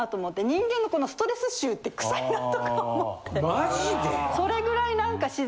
人間のこのストレス臭って臭いなとか思って。